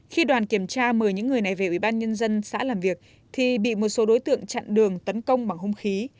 khi đoàn kiểm tra mời những người này về ủy ban nhân dân xã làm việc thì bị một số đối tượng chặn đường tấn công bằng hung khí